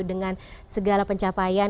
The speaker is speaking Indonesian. dengan segala pencapaian